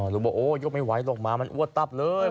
ลุงบอกโอ้ยกไม่ไหวลงมามันอวดตับเลย